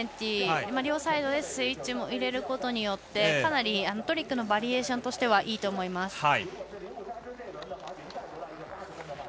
両サイドでスイッチも入れることによってかなりトリックのバリエーションとしてはいいと思います。